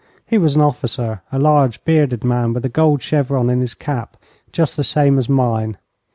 He was an officer, a large, bearded man, with a gold chevron in his cap, just the same as mine.